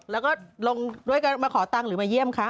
แล้วก็ลงด้วยกันมาขอตังค์หรือมาเยี่ยมคะ